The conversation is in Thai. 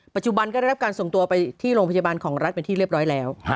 ปัจจุบันก็ได้รับการส่งตัวไปที่โรงพยาบาลของรัฐเป็นที่เรียบร้อยแล้ว